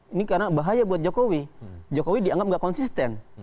ini karena bahaya buat jokowi jokowi dianggap nggak konsisten